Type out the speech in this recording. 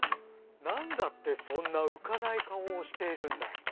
何だってそんな浮かない顔をしているんだい」。